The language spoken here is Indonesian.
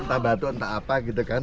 entah batu entah apa gitu kan